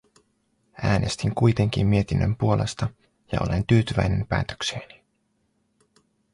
Äänestin kuitenkin mietinnön puolesta, ja olen tyytyväinen päätökseeni.